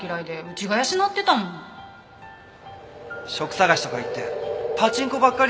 職探しとか言ってパチンコばっかりしてたよ。